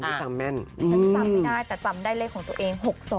ไม่จำไม่ได้แต่จำได้เลขของตัวเอง๖๒๖๒